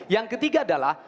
yang ketiga adalah